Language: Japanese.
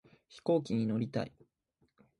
飛行機に乗りたい